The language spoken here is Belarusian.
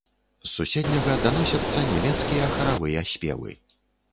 З суседняга даносяцца нямецкія харавыя спевы.